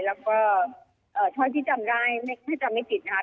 แล้วก็ถ้าที่จำได้ไม่จำไม่ติดนะคะ